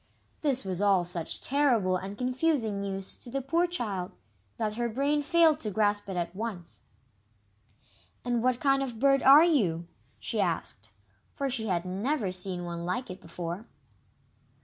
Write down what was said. This was all such terrible and confusing news to the poor child, that her brain failed to grasp it at once. "And what kind of a bird are you?" she asked, for she had never seen one like it before.